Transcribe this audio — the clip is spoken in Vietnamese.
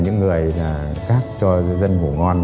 những người khác cho dân ngủ ngon